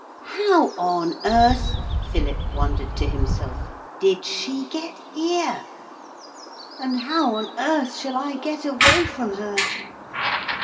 'How on earth,' Philip wondered to himself, 'did she get here? And how on earth shall I get away from her?'